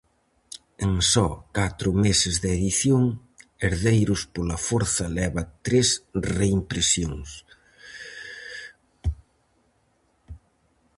En só catro meses de edición, herdeiros pola forza leva tres reimpresións.